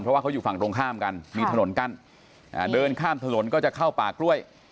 เพราะว่าเขาอยู่ฝั่งตรงข้ามกันมีถนนกั้นเดินข้ามถนนก็จะเข้าป่ากล้วย